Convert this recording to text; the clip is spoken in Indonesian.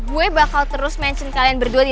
oke gue bakal terus mention kalian di video ini ya